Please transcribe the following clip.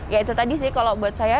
ya itu tadi sih kalau buat saya